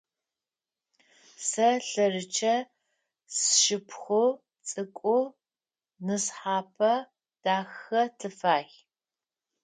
Сэ лъэрычъэ, сшыпхъу цӏыкӏу нысхъапэ дахэ тыфай.